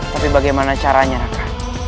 tapi bagaimana caranya raka